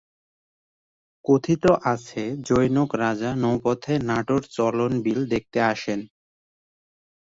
কথিত আছে জনৈক রাজা নৌপথে নাটোর চলন বিল দেখতে আসেন।